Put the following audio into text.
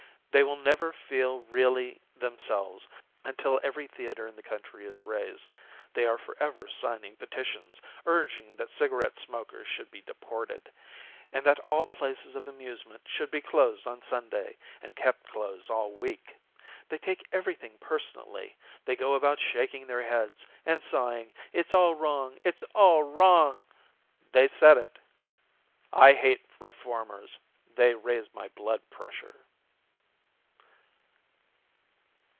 They will never feel really themselves Until every theatre in the country is razed. They are forever signing petitions Urging that cigarette smokers should be deported, And that all places of amusement should be closed on Sunday And kept closed all week. They take everything personally; They go about shaking their heads, And sighing, "It's all wrong, it's all wrong," They said it. I hate Reformers; They raise my blood pressure.